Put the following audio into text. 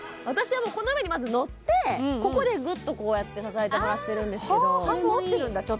私はもうこの上にまず乗ってここでぐっとこうやって支えてもらってるんですけど半分折ってるんだ